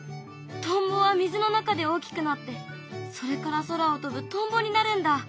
トンボは水の中で大きくなってそれから空を飛ぶトンボになるんだ。